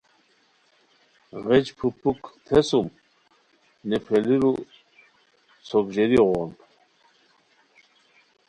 غیچ پھوپُھک تھیسوم نیپھولئیرو چوک ژیریو غون